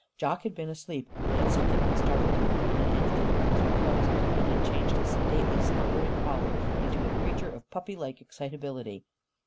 Jock had been asleep; yet something had startled him in an instant from his repose and had changed a sedately slumbering collie into a creature of puppylike excitability.